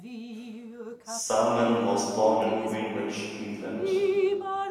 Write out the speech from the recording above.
Sulman was born in Greenwich, England.